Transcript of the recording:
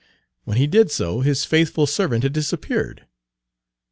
When he did so his faithful servant had disappeared.